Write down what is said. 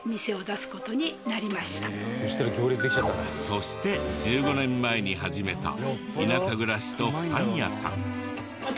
そして１５年前に始めた田舎暮らしとパン屋さん。